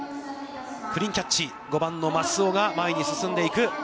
クリーンキャッチ、５番の舛尾が前に進んでいく。